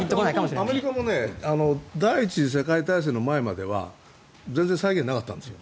アメリカも第１次世界大戦の前までは全然、債券なかったんです。